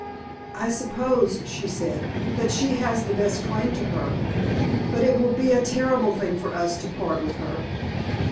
"I suppose," she said, "that she has the best claim to her; but it will be a terrible thing for us to part with her."